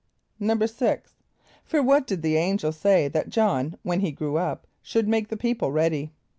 = =6.= For what did the angel say that J[)o]hn, when he grew up, should make the people ready?